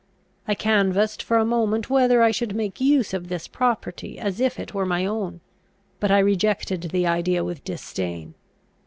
I canvassed for a moment whether I should make use of this property as if it were my own; but I rejected the idea with disdain.